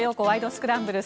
スクランブル」。